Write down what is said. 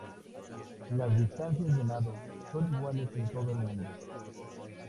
Las distancias de nado son iguales en todo el mundo.